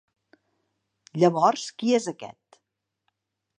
Llavors qui és aquest?